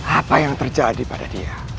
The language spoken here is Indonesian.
apa yang terjadi pada dia